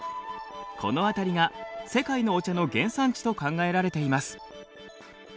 この辺りが世界のお茶の原産地と考えられています。